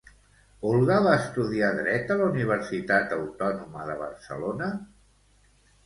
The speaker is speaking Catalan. Olga va estudiar Dret a la Universitat Autònoma de Barcelona?